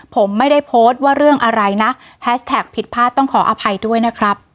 ผมไม่ได้โพสต์ว่าเรื่องอะไรนะแฮชแท็กผิดพลาดต้องขออภัยด้วยนะครับ